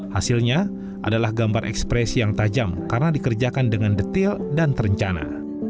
hasilnya adalah gambar ekspresi yang tajam karena dikerjakan dengan detail dan terencana